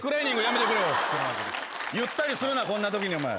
ゆったりするなこんなときにお前。